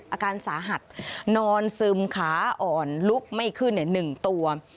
อาการสาหัสนอนซึมขาอ่อนลุกไม่ขึ้นเนี่ยหนึ่งตัว